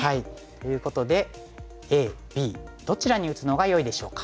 ということでＡＢどちらに打つのがよいでしょうか。